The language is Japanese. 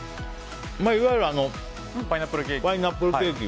いわゆるパイナップルケーキ。